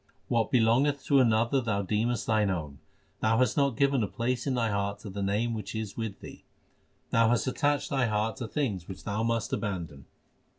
What belongeth to another thou deemest thine own. Thou hast not given a place in thy heart to the Name which is with thee. Thou hast attached thy heart to things which thou must abandon.